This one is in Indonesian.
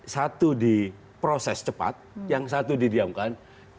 satu di proses cepat yang satu didiamkan